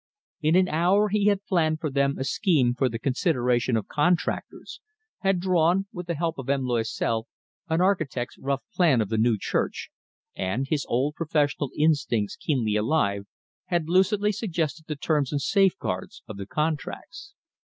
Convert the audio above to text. In an hour he had planned for them a scheme for the consideration of contractors; had drawn, with the help of M. Loisel, an architect's rough plan of the new church, and, his old professional instincts keenly alive, had lucidly suggested the terms and safeguards of the contracts.